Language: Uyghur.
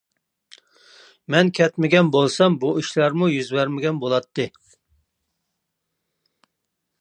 مەن كەتمىگەن بولسام بۇ ئىشلارمۇ يۈز بەرمىگەن بولاتتى.